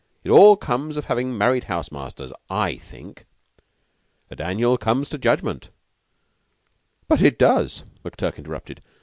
It all comes of havin' married house masters, I think." "A Daniel come to judgment." "But it does," McTurk interrupted.